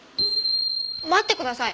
待ってください。